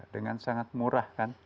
dengan sangat murah kan